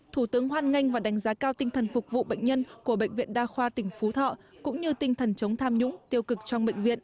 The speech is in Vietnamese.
thủ tướng hoan nghênh và đánh giá cao tinh thần phục vụ bệnh nhân của bệnh viện đa khoa tỉnh phú thọ